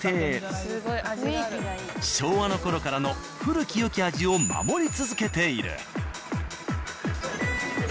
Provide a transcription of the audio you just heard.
昭和のころからの古きよき味を守り続けている。